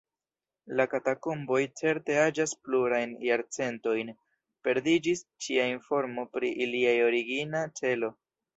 La katakomboj certe aĝas plurajn jarcentojn; perdiĝis ĉia informo pri iliaj origina celo.